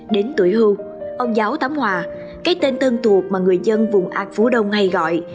đến tuổi hưu ông giáo tám hòa cái tên tân thuộc mà người dân vùng an phú đông hay gọi